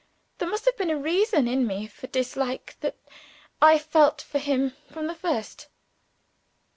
There must have been a reason in me for the dislike that I felt for him from the first."